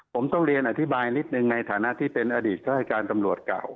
ผมต้องเรียนอธิบายนิดนึงในฐานะที่เป็นอดีตราชการตำรวจเก่า